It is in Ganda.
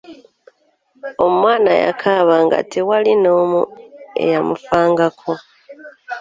Omwana yakaaba nga tewaali n'omu eyamufangako.